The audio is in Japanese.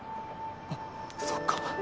あそっか。